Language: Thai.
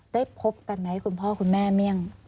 ได้พบกันไหมคุณพ่อคุณแม่เมี่ยง